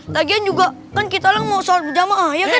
lagian juga kan kita mau sholat berjamaah ya kan